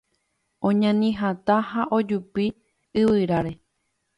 Oñani hatã ha ojupi yvyráre